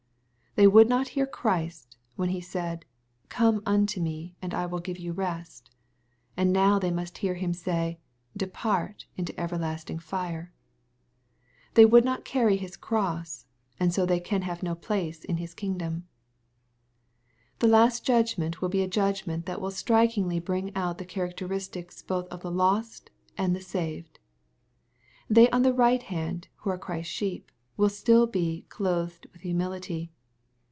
They would not hear Christ, when He said " Come unto me, and I will give you rest," and now they must hear Him say, " Depart, into everlasting fire." They would not carry his cross, and so they can have no place in his kingdom. The last judgment will be a judgment that wiU strikingly bring out the characters both of the lost and saved. They on the right hand, who are Christ's sheep, will still be " clothed with humility."